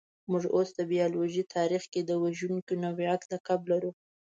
موږ اوس د بایولوژۍ تاریخ کې د وژونکي نوعې لقب لرو.